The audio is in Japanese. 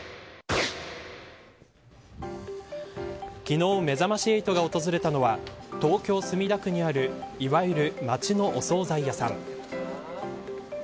昨日、めざまし８が訪れたのは東京、墨田区にあるいわゆる町のお総菜屋さん。